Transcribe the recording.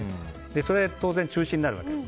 それは当然、中止になるわけです。